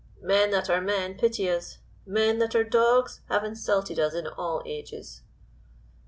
Men that are men pity us; men that are dogs have insulted us in all ages."